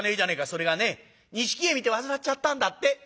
「それがね錦絵見て煩っちゃったんだって」。